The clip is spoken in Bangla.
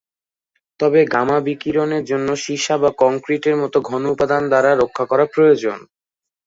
তবে গামা বিকিরণের জন্য সীসা বা কংক্রিটের মতো ঘন উপাদান দ্বারা রক্ষা করা প্রয়োজন।